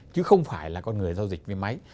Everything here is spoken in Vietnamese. chứ không phải là con người giao dịch với máy